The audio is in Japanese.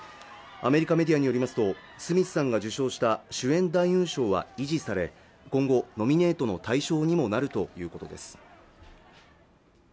アメリカメディアによりますとスミスさんが受賞した主演男優賞は維持され今後ノミネートの対象にもなるということです